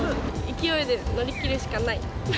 勢いで乗り切るしかない。